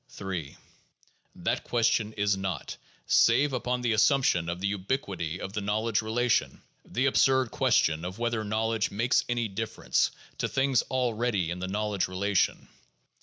Ill That question is not, save upon the assumption of the ubiquity of the knowledge relation, the absurd question of whether knowledge makes any difference to things already in the knowledge relation.